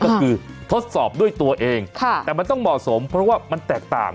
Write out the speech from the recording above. ก็คือทดสอบด้วยตัวเองแต่มันต้องเหมาะสมเพราะว่ามันแตกต่าง